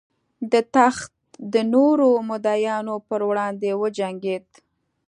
د تخت د نورو مدعیانو پر وړاندې وجنګېد.